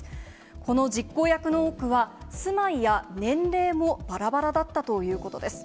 この実行役の多くは、住まいや年齢もばらばらだったということです。